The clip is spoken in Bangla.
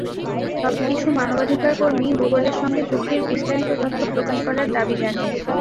তবে কিছু মানবাধিকারকর্মী গুগলের সঙ্গে চুক্তির বিস্তারিত তথ্য প্রকাশ করার দাবি জানিয়েছে।